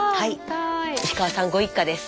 石川さんご一家です。